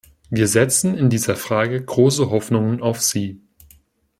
Wir setzen in dieser Frage große Hoffnungen auf Sie!